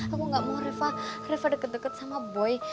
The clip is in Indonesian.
aku gak mau reva deket deket sama boys